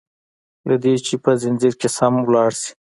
له دي چي په ځنځير کي سم لاړ شي